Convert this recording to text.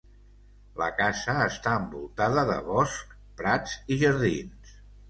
La casa està envoltada de boscs, prats i jardins.